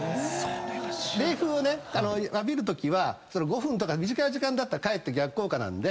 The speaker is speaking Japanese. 冷風を浴びるときは５分とか短い時間だったらかえって逆効果なんで。